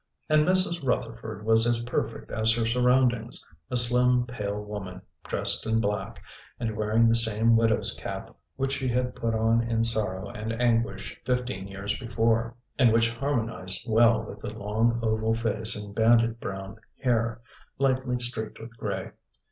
And Mrs. Rutherford was as perfect as her surroundings a slim, pale woman, dressed in black, and wearing the same widow's cap which she had put on in sorrow and anguish fifteen years before and which harmonised well with the long oval face and banded brown hair, lightly streaked with grey.